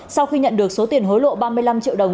sau khi nhận được số tiền hối lộ ba mươi năm triệu đồng